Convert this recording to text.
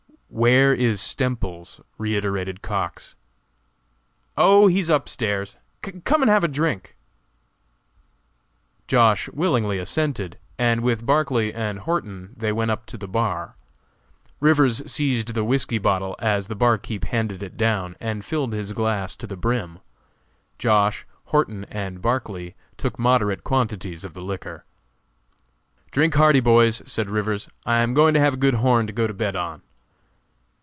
"Where is Stemples?" reiterated Cox. "Oh, he's up stairs. Come and have a drink?" Josh. willingly assented, and with Barclay and Horton they went up to the bar. Rivers seized the whisky bottle as the barkeeper handed it down, and filled his glass to the brim. Josh., Horton, and Barclay took moderate quantities of the liquor. "Drink hearty, boys," said Rivers, "I am going to have a good horn to go to bed on."